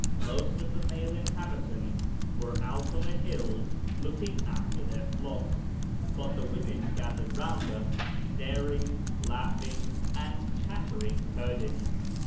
Most of the male inhabitants were out on the hills looking after their flocks, but the women gathered round us, staring, laughing, and chattering Kurdish.